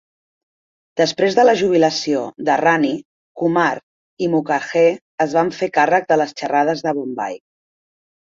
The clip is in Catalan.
Després de la jubilació de Rani, Kumar i Mukherjee es van fer càrrec de les xerrades de Bombai.